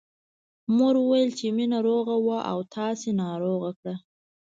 مور وويل چې مينه روغه وه او تاسې ناروغه کړه